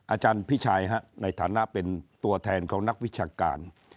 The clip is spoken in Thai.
อาจารย์พิชัยในฐานะเป็นตัวแทนของนักวิชาการ